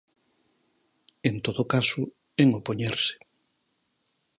En todo caso, en opoñerse.